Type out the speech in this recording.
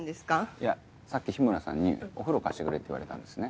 いやさっき日村さんにお風呂貸してくれって言われたんですね。